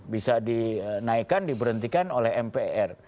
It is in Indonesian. bisa dinaikkan diberhentikan oleh mpr